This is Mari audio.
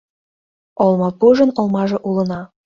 Олмапужын олмаже улына